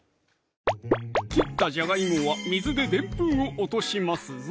切ったじゃがいもは水でデンプンを落としますぞ